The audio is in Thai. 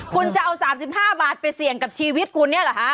คุณจะเอา๓๕บาทไปเสี่ยงกับชีวิตคุณเนี่ยเหรอฮะ